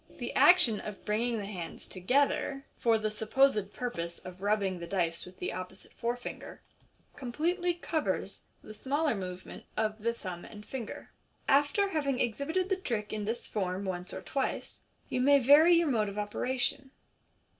The action of bringing the hands together, for the supposed purpose of rubbing the dice with the opposite fore finger, completely covers the smaller movement of the thumb and finger. After having exhibited the trick in this form once or twice, you may vary your mode of operation.